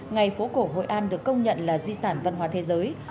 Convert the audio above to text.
ngày phố cổ hội an được công nhận là di sản văn hóa thế giới